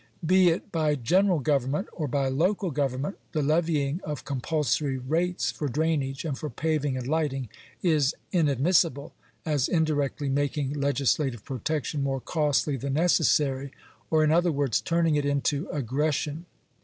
Be it by general government or by local government, the levying of compulsory rates for drainage, and for paving and lighting) is inadmissible, as indirectly making legislative protection more costly than necessary, or, in other words, turning it into aggression (p.